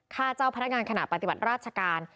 เจ้าพนักงานขณะปฏิบัติราชการ